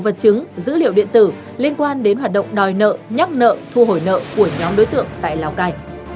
vật chứng dữ liệu điện tử liên quan đến hoạt động đòi nợ nhắc nợ thu hồi nợ của nhóm đối tượng tại lào cai